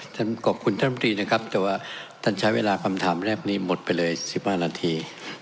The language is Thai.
ท่านขอบคุณท่านตรีนะครับแต่ว่าท่านใช้เวลาคำถามแรกนี้หมดไปเลย๑๕นาที